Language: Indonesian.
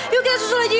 yuk kita susul aja yuk